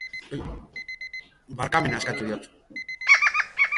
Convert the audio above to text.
Barkamena eskatu diot